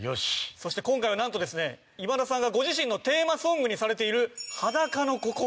そして今回はなんとですね今田さんがご自身のテーマソングにされている『裸の心』。